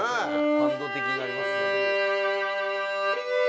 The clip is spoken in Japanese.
感動的になりますね。